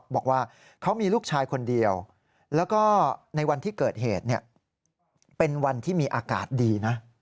บอกว่าเขามีลูกชายคนเดียวแล้วก็ในวันที่เกิดเหตุเป็นวันที่มีอากาศดีนะ